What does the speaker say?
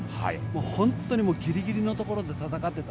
本当にギリギリのところで戦っていた。